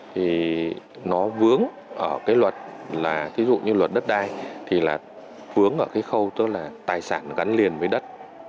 thì nó vướng ở cái luật là ví dụ như luật đất đai thì là vướng ở cái khâu tức là tài sản gắn liền với đất